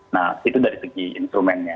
nah itu dari segi instrumennya